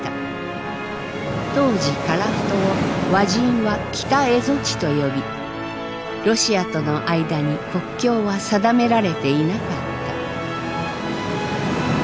当時樺太を和人は「北蝦夷地」と呼びロシアとの間に国境は定められていなかった。